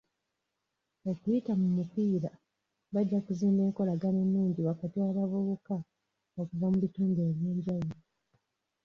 Okuyita mu mupiira, bajja kuzimba enkolagana ennungi wakati w'abavuka okuva mu bitundu eby'enjawulo